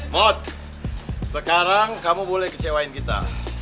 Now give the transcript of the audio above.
mot sekarang kamu boleh kecewain kita